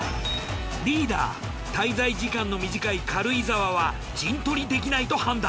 リーダー滞在時間の短い軽井沢は陣取りできないと判断。